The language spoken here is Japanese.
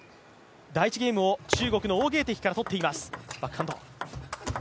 第１ゲームを中国の王ゲイ迪から取っています。